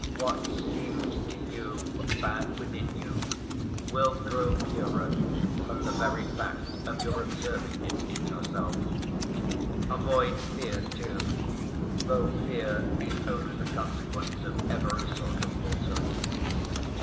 What seems to you bad within you will grow purer from the very fact of your observing it in yourself. Avoid fear, too, though fear is only the consequence of every sort of falsehood.